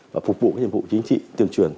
và phục vụ nhiệm vụ chính trị tuyên truyền